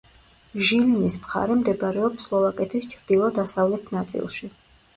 ჟილინის მხარე მდებარეობს სლოვაკეთის ჩრდილო-დასავლეთ ნაწილში.